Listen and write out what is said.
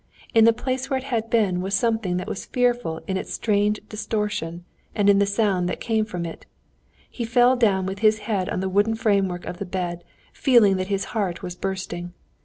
In the place where it had been was something that was fearful in its strained distortion and in the sounds that came from it. He fell down with his head on the wooden framework of the bed, feeling that his heart was bursting.